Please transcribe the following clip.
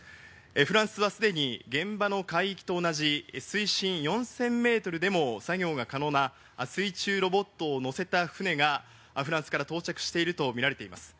フランスは既に現場の海域と同じ水深４０００メートルでも作業が可能な水中ロボットを乗せた船がフランスから到着していると見られています。